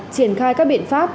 triển khai các biện pháp